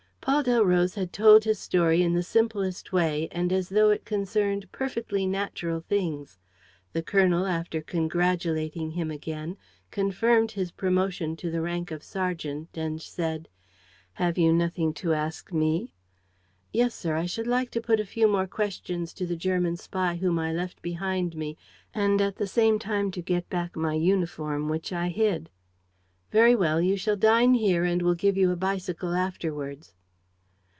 Paul Delroze had told his story in the simplest way and as though it concerned perfectly natural things. The colonel, after congratulating him again, confirmed his promotion to the rank of sergeant and said: "Have you nothing to ask me?" "Yes, sir, I should like to put a few more questions to the German spy whom I left behind me and, at the same time, to get back my uniform, which I hid." "Very well, you shall dine here and we'll give you a bicycle afterwards."